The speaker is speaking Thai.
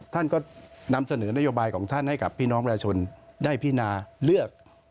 ท่านก็นำเสนอนโยบายของท่านให้กับพี่น้องประชาชนได้พินาเลือก